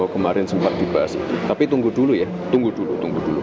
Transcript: kemarin sempat dibahas tapi tunggu dulu ya tunggu dulu tunggu dulu